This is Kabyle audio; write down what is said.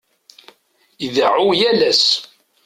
Ideɛɛu yal ass.